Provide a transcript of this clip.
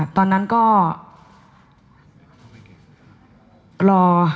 ตอนนั้นก็รอ